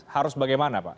harus bagaimana pak